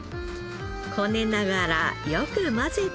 こねながらよく混ぜて。